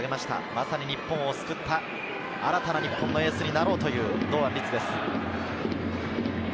まさに日本を救った新たな日本のエースになろうという堂安律です。